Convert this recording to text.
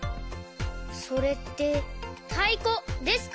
それってたいこですか？